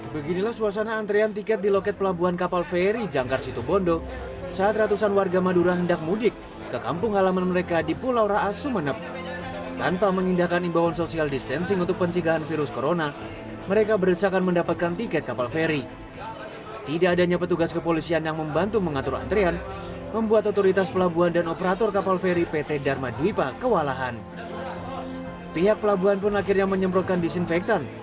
pihak pelabuhan pun akhirnya menyemprotkan disinfektan